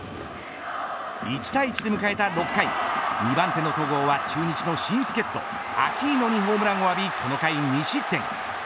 １対１で迎えた６回２番手の戸郷は中日の新助っ人アキーノにホームランを浴びこの回２失点。